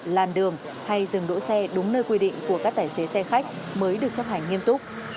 làn đường hay dừng đỗ xe đúng nơi quy định của các tài xế xe khách mới được chấp hành nghiêm túc